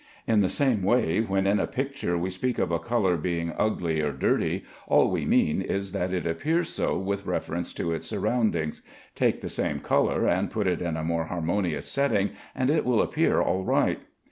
In the same way when in a picture we speak of a color being ugly or dirty, all we mean is that it appears so with reference to its surroundings. Take the same color and put it in a more harmonious setting, and it will appear all right.